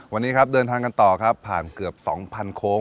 วันนี้ครับเดินทางกันต่อครับผ่านเกือบ๒๐๐โค้ง